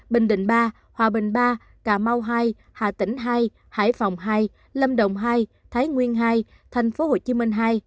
bình định ba hòa bình ba cà mau hai hà tĩnh hai hải phòng hai lâm đồng hai thái nguyên hai tp hcm ii